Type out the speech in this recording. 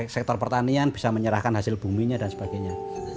sektor pertanian bisa menyerahkan hasil buminya dan sebagainya